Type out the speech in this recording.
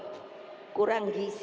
seperti yang lebih